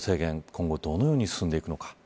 今後どのように進んでいくのか。